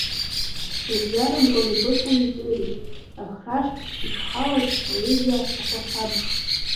Игәҩарамкәан убысҟан издырит, ахраш ишхалаз споезиа ақәасаб.